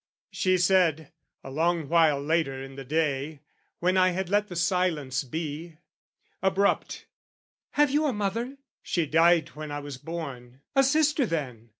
She said, a long while later in the day, When I had let the silence be, abrupt "Have you a mother?" "She died, I was born." "A sister then?"